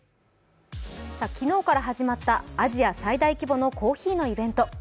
昨日から始まったアジア最大規模のコーヒーのイベント。